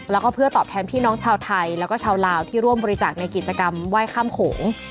แล้วก็เพื่อตอบแทนพี่น้องชาวไทยแล้วก็ชาวลาวที่ร่วมบริจาคในกิจกรรมไหว้ข้ามโขง